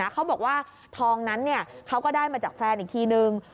เขาบอกว่าทองนั้นเขาก็ได้มาจากแฟนอีกทีนึง